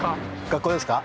学校ですか？